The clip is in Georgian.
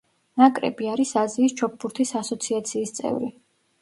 ნაკრები არის აზიის ჩოგბურთის ასოციაციის წევრი.